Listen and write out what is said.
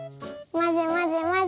まぜまぜまぜ。